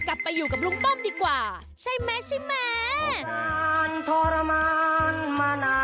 กลับไปอยู่กับลุงป้อมดีกว่าใช่ไหมใช่ไหม